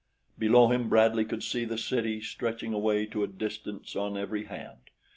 Below him Bradley could see the city stretching away to a distance on every hand.